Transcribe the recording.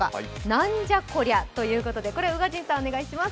なんじゃこりゃ！？ということで宇賀神さん、お願いします。